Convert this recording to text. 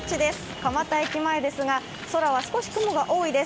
蒲田駅前ですが、空は少し雲が多いです。